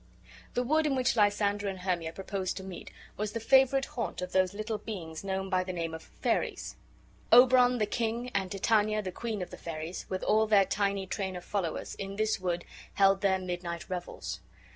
The wood in which Lysander and Hermia proposed to meet was the favorite haunt of those little beings known by the name of "fairies." Oberon the king, and Titania the queen of the fairies, with all their tiny train of followers, in this wood held their midnight revels.